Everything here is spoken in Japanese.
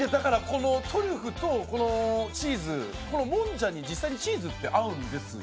トリュフとチーズ、もんじゃに実際チーズって合うんですよ。